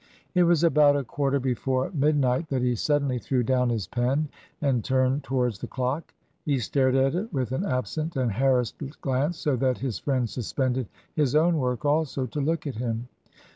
It was about a quarter before midnight that he suddenly threw down his pen and turned towards the clock; he stared at it with an absent and harassed glance, so that his friend suspended his own work also to look at him.